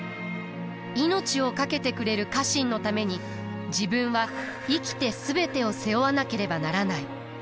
命を懸けてくれる家臣のために自分は生きて全てを背負わなければならない。